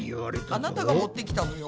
あなたが持ってきたのよ。